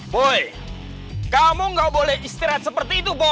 boy kamu ga boleh istirahat seperti itu